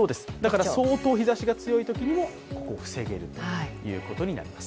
相当日ざしが強いときにも、ここを防げるということになります。